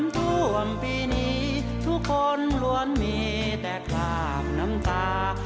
ทุกคนล้วนมีแต่ขาบน้ำตา